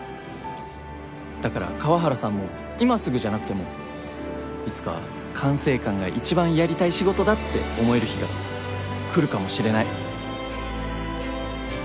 だから河原さんも今すぐじゃなくてもいつか管制官が一番やりたい仕事だって思える日が来るかもしれない。